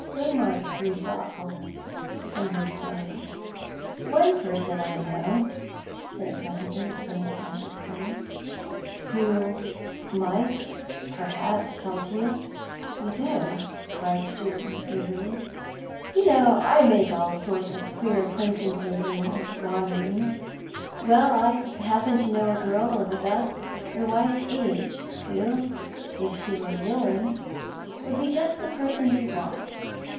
Waymark grew thoughtful, and kept silent. "One person I know," he said presently, and in a cautious way, "who might perhaps help you." "You do?" cried Julian eagerly. "You know that I make all sorts of queer acquaintances in my wanderings. Well, I happen to know a girl of about your wife's age, who, if she were willing, would be just the person you want.